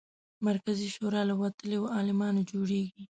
مرکزي شورا له وتلیو عالمانو جوړېږي.